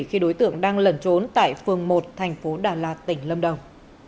khi đối tượng đang lẩn trốn tại phường một thành phố đà lạt tỉnh lâm đồng